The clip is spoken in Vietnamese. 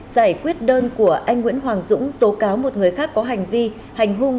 giải quyết đơn của anh nguyễn hoàng dũng tố cáo một người khác có hành vi hành hung